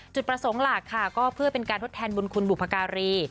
จุดประสงค์หลักค่ะก็เพื่อเป็นการทดแทนบุญคุณบุพการี